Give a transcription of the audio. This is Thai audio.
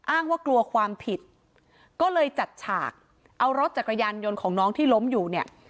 ว่ากลัวความผิดก็เลยจัดฉากเอารถจักรยานยนต์ของน้องที่ล้มอยู่เนี่ย